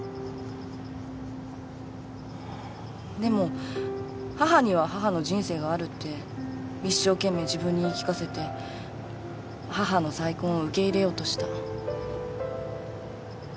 でも母には母の人生があるって一生懸命自分に言い聞かせて母の再婚を受け入れようとした。